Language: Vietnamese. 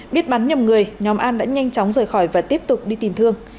biết bắn nhầm người nhóm an đã nhanh chóng rời khỏi và tiếp tục đi tìm thương